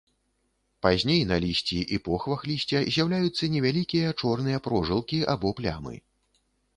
Пазней на лісці і похвах лісця з'яўляюцца невялікія чорныя прожылкі або плямы.